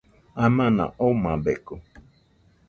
Amana omabeko.